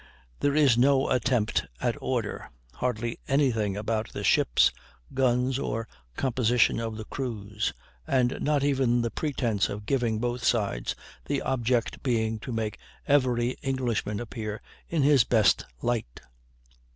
There is no attempt at order, hardly any thing about the ships, guns, or composition of the crews; and not even the pretence of giving both sides, the object being to make every Englishman appear in his best light.